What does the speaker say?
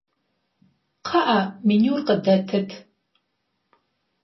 Кхъыӏэ, менюр къыдэтыт!